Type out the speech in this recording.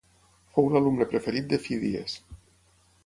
Fou l'alumne preferit de Fídies.